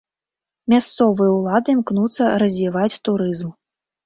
Мясцовыя ўлады імкнуцца развіваць турызм.